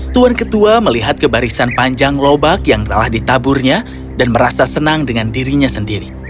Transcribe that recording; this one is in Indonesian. tuan ketua melihat kebarisan panjang lobak yang telah ditaburnya dan merasa senang dengan dirinya sendiri